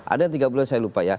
ada yang tiga bulan saya lupa ya